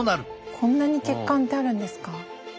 こんなに血管ってあるんですか？